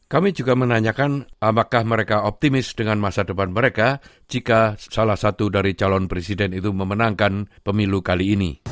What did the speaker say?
kami juga menanyakan apakah mereka optimis dengan masa depan mereka jika salah satu dari calon presiden itu memenangkan pemilu kali ini